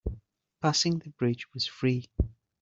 Passing the bridge was free.